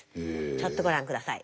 ちょっとご覧下さい。